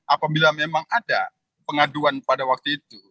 apabila memang ada pengaduan pada waktu itu